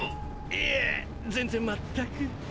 いえ全然まったく。